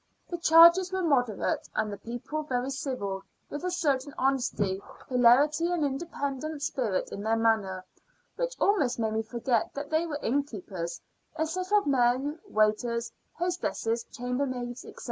The charges were moderate, and the people very civil, with a certain honest hilarity and independent spirit in their manner, which almost made me forget that they were innkeepers, a set of men waiters, hostesses, chambermaids, &c.